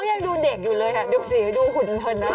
เขายังดูเด็กอยู่เลยดุสีดูหุ่นคันนะ